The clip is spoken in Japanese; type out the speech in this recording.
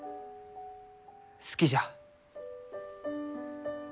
好きじゃ。